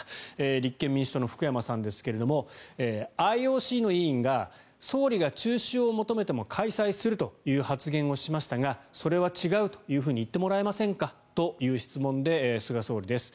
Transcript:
立憲民主党の福山さんですがＩＯＣの委員が総理が中止を求めても開催するという発言をしましたがそれは違うと言ってもらえませんかという質問で菅総理です。